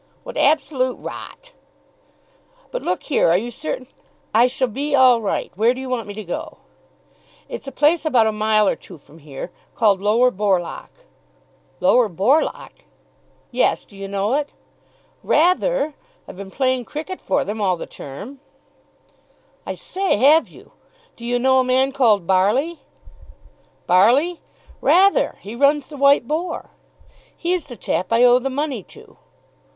"What absolute rot!" "But, look here, are you certain " "I shall be all right. Where do you want me to go?" "It's a place about a mile or two from here, called Lower Borlock." "Lower Borlock?" "Yes, do you know it?" "Rather! I've been playing cricket for them all the term." "I say, have you? Do you know a man called Barley?" "Barley? Rather he runs the 'White Boar'." "He's the chap I owe the money to."